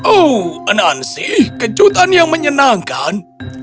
oh anansi kejutan yang menyenangkan